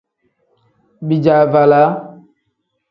Bijaavalaa.